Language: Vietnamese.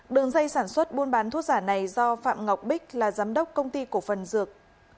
đường dây sản xuất buôn bán thuốc giả này do phạm ngọc bích là giám đốc công ty cổ phần dược